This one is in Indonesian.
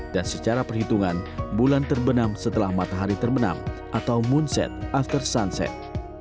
dan secara perhitungan bulan terbenam setelah matahari terbenam atau moonset after sunset